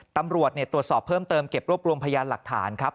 ตำรวจตรวจสอบเพิ่มเติมเก็บรวบรวมพยานหลักฐานครับ